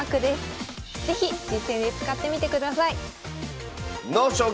是非実戦で使ってみてください